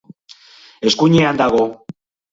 Eskuinean dago.